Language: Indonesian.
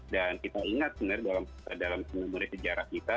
dan kita ingat sebenarnya dalam sejumurnya sejarah kita